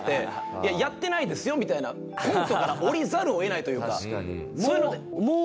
いややってないですよみたいなコントから下りざるを得ないというか。